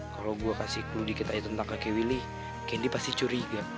kalau gue kasih clue dikit aja tentang kakek willy candy pasti curiga